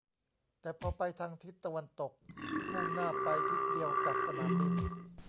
แต่พอไปทางทิศตะวันตกมุ่งหน้าไปทิศเดียวกับสนามบิน